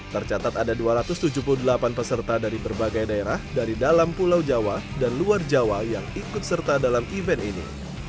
tercatat ada dua ratus tujuh puluh delapan peserta dari berbagai daerah dari dalam pulau jawa dan luar jawa yang ikut serta dalam event ini